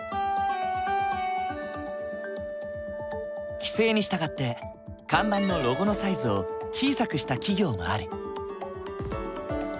規制に従って看板のロゴのサイズを小さくした企業もある。